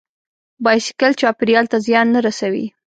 بایسکل چاپېریال ته زیان نه رسوي.